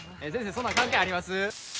そんなん関係あります？